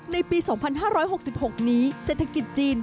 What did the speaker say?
ในปี๒๕๖๖นี้เศรษฐกิจจีน